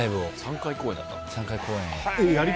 ３回公演で。